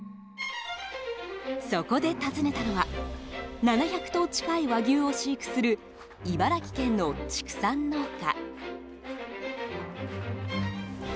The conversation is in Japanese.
そこで訪ねたのは７００頭近い和牛を飼育する茨城県の畜産農家。